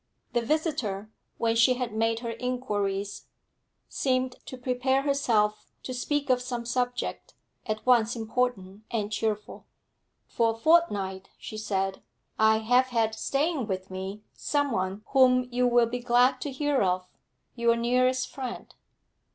The visitor, when she had made her inquiries, seemed to prepare herself to speak of some subject at once important and cheerful. 'For a fortnight,' she said, 'I have had staying with me someone whom you will be glad to hear of your nearest friend.'